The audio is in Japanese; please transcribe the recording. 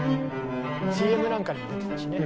ＣＭなんかにも出てたしね。